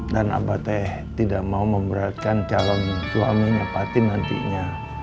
dan aba teh tidak mau memberatkan calon suaminya fatin nantinya